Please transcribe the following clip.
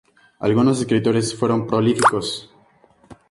Algunos escritores fueron prolíficos.